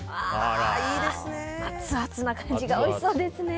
アツアツな感じがおいしそうですね。